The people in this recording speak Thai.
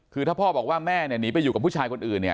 คือถ้าพ่อบอกว่าแม่เนี่ยหนีไปอยู่กับผู้ชายคนอื่นเนี่ย